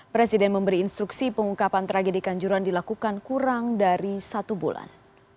presiden memberi instruksi pengungkapan tragedi kanjuran dilakukan kurang dari satu bulan